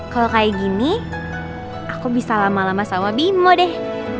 kalau kayak gini aku bisa lama lama sama bimo deh